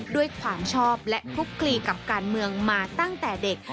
ด้วยความชอบและคลุกคลีกับการเมืองมาตั้งแต่เด็ก